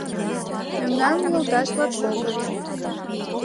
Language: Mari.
Мемнан йолташ латкокыт.